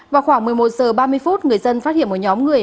vào khoảng một mươi một giờ ba mươi phút người dân phát hiện một nhóm người